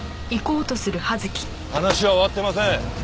話は終わってません。